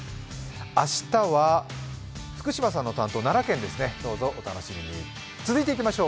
明日は福島さんの担当、奈良県ですね、どうぞお楽しみに。